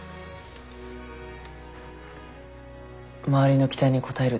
周りの期待に応えるってさ